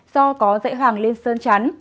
do có dãy hàng lên sơn chán